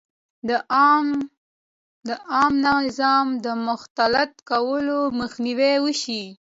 د عامه نظم د مختل کولو مخنیوی وشي.